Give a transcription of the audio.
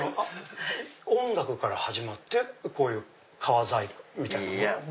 音楽から始まってこういう革細工みたいなもの？